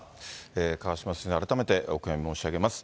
川嶋さん、改めてお悔やみ申し上げます。